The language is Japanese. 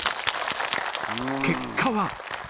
結果は。